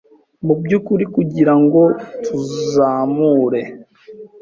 mubyukuri kugira ngo tuzamure,